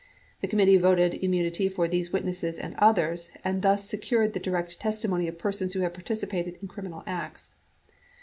The committee voted immunity for these witnesses and others and thus se cured the direct testimony of persons who had participated in criminal acts.